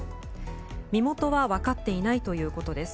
身元は分かっていないということです。